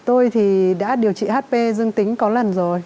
tôi thì đã điều trị hp dương tính có lần rồi